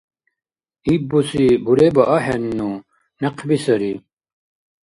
Ибуси буреба ахӀенну, някъби сари.